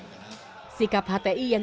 sikap hti yang kerap diperhatikan